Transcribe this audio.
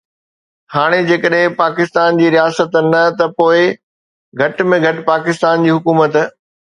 هاڻ جيڪڏهن پاڪستان جي رياست نه ته پوءِ گهٽ ۾ گهٽ پاڪستان جي حڪومت